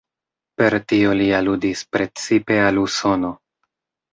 Per tio li aludis precipe al Usono.